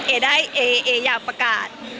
เอ๊ะแหละอยากประกาศ